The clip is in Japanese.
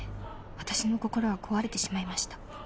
「私の心は壊れてしまいました」